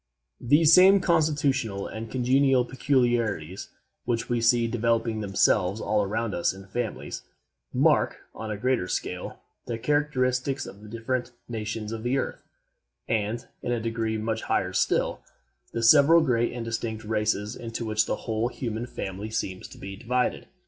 These same constitutional and congenital peculiarities which we see developing themselves all around us in families, mark, on a greater scale, the characteristics of the different nations of the earth, and in a degree much higher still, the several great and distinct races into which the whole human family seems to be divided.